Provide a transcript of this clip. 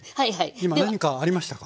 今何かありましたか？